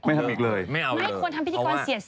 ไม่ทำอีกเลยไม่เอาค่ะ